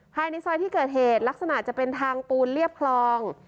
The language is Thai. ภายในซอยที่เกิดเหตุลักษณะจะเป็นทางปูนเรียบคลอง